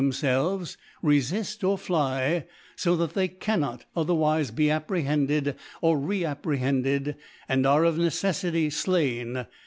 them felves, refift, or fly ; fo that they cannot etherwife be apprehended or re apprehend ed, and are of Necejfuy flain